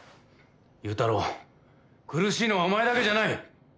祐太郎苦しいのはお前だけじゃない。